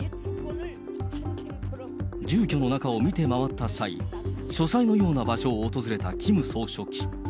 住居の中を見てまわった際、書斎のような場所を訪れたキム総書記。